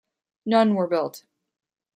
None were built.